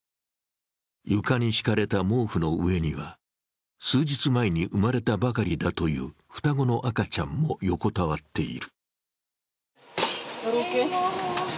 床に敷かれた毛布の上には数日前に生まれたばかりだという双子の赤ちゃんも横たわっている。